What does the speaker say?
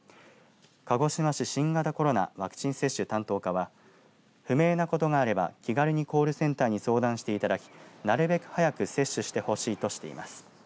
鹿児島市新型コロナワクチン接種担当課は不明なことがあれば気軽にコールセンターに相談していただきなるべく早く接種してほしいとしています。